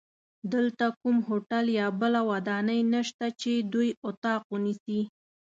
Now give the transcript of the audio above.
دلته کوم هوټل یا بله ودانۍ نشته چې دوی اتاق ونیسي.